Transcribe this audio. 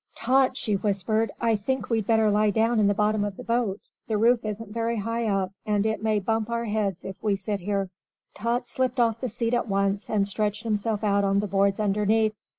"Tot," she whispered, "I think we'd better lie down in the bottom of the boat. The roof isn't very high up, and it may bump our heads if we sit here." Tot slipped off the seat at once and stretched himself out on the boards underneath.